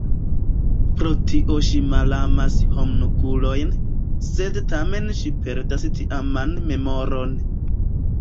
Pro tio ŝi malamas homunkulojn, sed tamen ŝi perdas tiaman memoron.